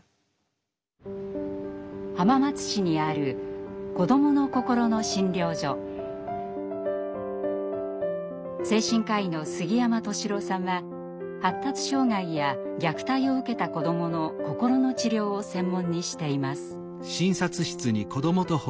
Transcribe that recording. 浜松市にある精神科医の杉山登志郎さんは発達障害や虐待を受けた子どもの心の治療を専門にしています。